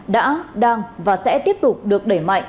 đã đang và sẽ tiếp tục được đẩy mạnh